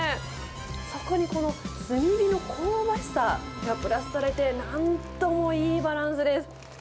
そこにこの炭火の香ばしさがプラスされて、なんともいいバランスです。